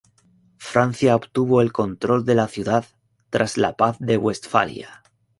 Francia obtuvo el control de la ciudad tras la Paz de Westfalia.